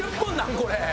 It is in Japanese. これ。